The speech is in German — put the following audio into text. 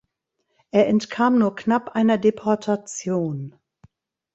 Er entkam nur knapp einer Deportation.